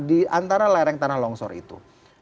di antara lereng tanah longsor itu